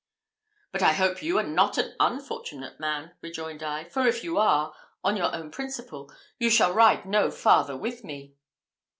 "But I hope you are not an unfortunate man," rejoined I, "for if you are, on your own principle, you shall ride no farther with me."